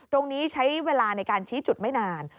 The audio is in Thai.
ตรงนี้ใช้เวลาในการชี้จุดไม่นาน